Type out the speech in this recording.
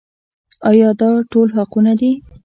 آیا دا ټول حقونه دي؟